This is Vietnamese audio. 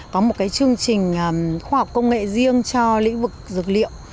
có một cái chương trình khoa học công nghệ riêng cho lĩnh vực dược liệu